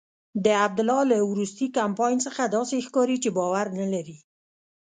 د عبدالله له وروستي کمپاین څخه داسې ښکاري چې باور نلري.